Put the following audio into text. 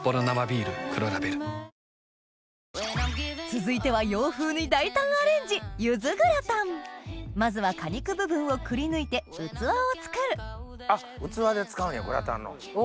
続いては洋風に大胆アレンジまずは果肉部分をくりぬいて器を作るあっ器で使うんやグラタンの。